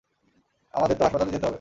আমাদের তো হাসপাতালে যেতে হবে।